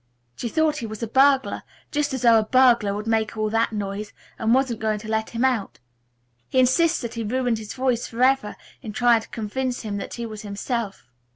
She thought he was a burglar, just as though a burglar would make all that noise, and wasn't going to let him out. He insists that he ruined his voice forever in trying to convince her that he was himself.